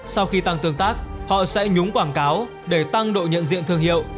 sau khi tăng tương tác họ sẽ nhúng quảng cáo để tăng độ nhận diện thương hiệu